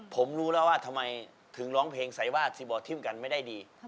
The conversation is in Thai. ผมรู้แล้วว่าทำไมถึงร้องเพลงใส่วาดซีบอร์ดทิมกันไม่ได้ดี